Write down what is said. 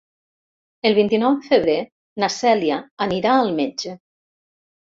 El vint-i-nou de febrer na Cèlia anirà al metge.